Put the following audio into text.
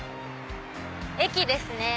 駅ですね。